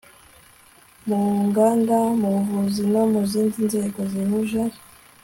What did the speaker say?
mu nganda mu buvuzi no mu zindi nzego zihuje